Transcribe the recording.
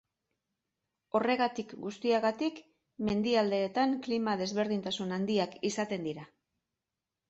Horregatik guztiagatik, mendialdeetan klima desberdintasun handiak izaten dira.